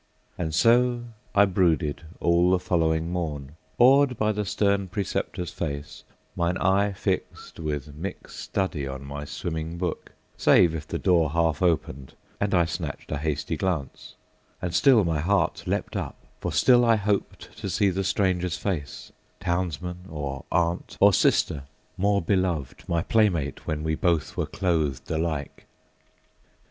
And so I brooded all the following morn, Awed by the stern preceptor's face, mine eye Fixed with mick study on my swimming book: Save if the door half opened, and I snatched A hasty glance, and still my heart leaped up, For still I hoped to see the stranger's face, Townsman, or aunt, or sister more beloved, My play mate when we both were clothed alike!